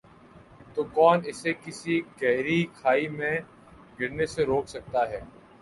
تو کون اسے کسی گہری کھائی میں گرنے سے روک سکتا ہے ۔